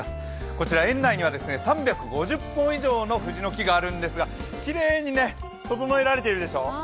こちら、園内には３５０本以上の藤の木があるんですがきれいに整えられているでしょう。